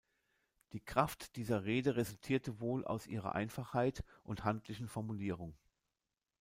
Die Kraft dieser Rede resultierte wohl aus ihrer Einfachheit und handlichen Formulierung.